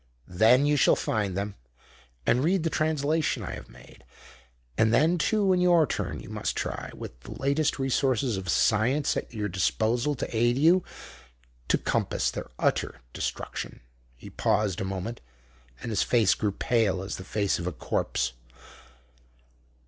Then you shall find them and read the translation I have made. And then, too, in your turn, you must try, with the latest resources of science at your disposal to aid you, to compass their utter destruction." He paused a moment, and his face grew pale as the face of a corpse.